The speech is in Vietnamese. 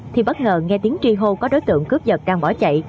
thì bất ngờ nghe tiếng tri hô có đối tượng cướp vật đang bỏ chạy